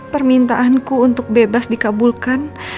permintaanku untuk bebas dikabulkan